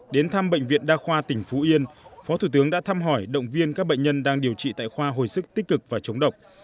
đến thăm bệnh viện đa khoa tỉnh phú yên phó thủ tướng đã thăm hỏi động viên các bệnh nhân đang điều trị tại khoa hồi sức tích cực và chống độc